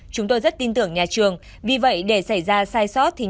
chúng tôi rất tin tưởng nhà trường vì vậy để xảy ra sai sót thì nhà trường